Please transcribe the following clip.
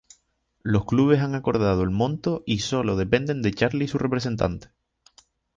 Los clubes han acordado el monto y sólo depende de Charlie y su representante.